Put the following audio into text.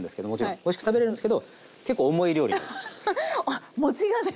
おいしく食べれるんですけど結構重い料理なんです。